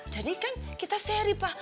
jadi kan kita seri pak